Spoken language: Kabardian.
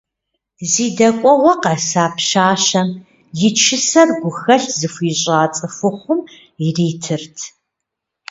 Зи дэкӀуэгъуэ къэса пщащэм и чысэр гухэлъ зыхуищӀа цӀыхухъум иритырт.